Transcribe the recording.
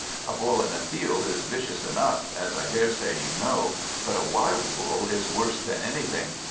A Bull in a field is vicious enough, as I daresay you know; but a wild Bull is worse than anything.